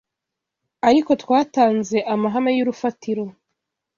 Ariko twatanze amahame y’urufatiro